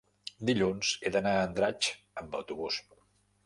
Dilluns he d'anar a Andratx amb autobús.